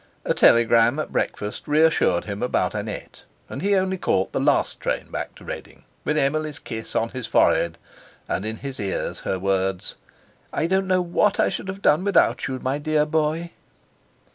A telegram at breakfast reassured him about Annette, and he only caught the last train back to Reading, with Emily's kiss on his forehead and in his ears her words: "I don't know what I should have done without you, my dear boy."